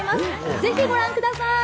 ぜひご覧ください。